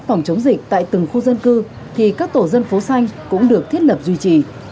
phòng chống dịch tại từng khu dân cư thì các tổ dân phố xanh cũng được thiết lập duy trì